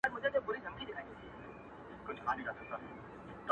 څوک وایي گران دی ـ څوک وای آسان دی ـ